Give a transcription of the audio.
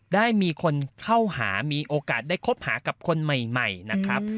ได้มีคนเข้าหามีโอกาสได้คบหากับคนใหม่นะครับ